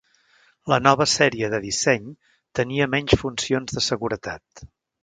La nova sèrie de disseny tenia menys funcions de seguretat.